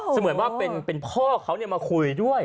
สมมุติเป็นพ่อเขาเอามาเข้าไปคุยด้วย